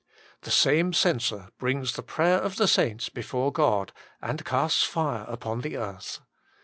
The same censer brings the prayer of the saints before God and casts fire upon the earth.